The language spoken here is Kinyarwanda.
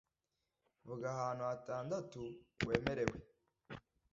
vuga ahantu hatandatu wemerewe